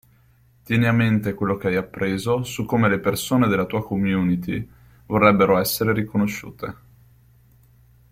Tieni a mente quello che hai appreso su come le persone nella tua community vorrebbero essere riconosciute.